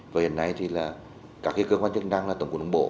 và hiện nay thì là các cơ quan chức năng là tổng cụ đông bộ